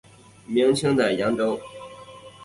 明清的扬州。